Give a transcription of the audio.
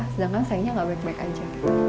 sedangkan saingnya nggak baik baik aja